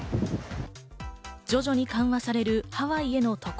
徐々に緩和される、ハワイへの渡航。